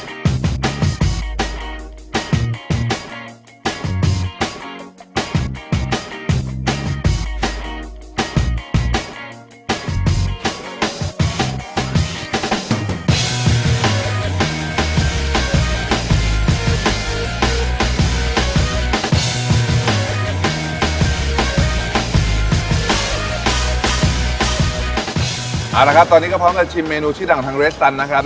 เอาละครับตอนนี้ก็พร้อมจะชิมเมนูชื่อดังของทางเรสตันนะครับ